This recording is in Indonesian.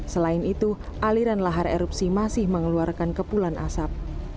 selain itu aliran lahar erupsi masih mengeluarkan kepulan asap